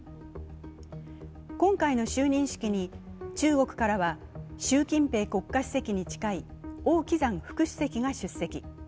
今回の就任式に、中国からは習近平国家主席に近い王岐山副主席が出席。